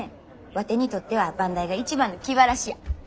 ワテにとっては番台が一番の気晴らしや。